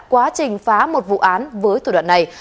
quá trình phá một vụ án với thủ đoạn này